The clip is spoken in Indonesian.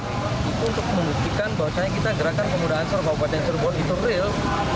itu untuk membuktikan bahwasannya kita gerakan pemuda ansor kabupaten cirebon itu real